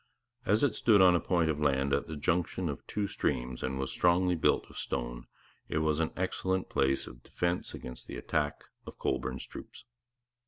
As it stood on a point of land at the junction of two streams and was strongly built of stone, it was an excellent place of defence against the attack of Colborne's troops.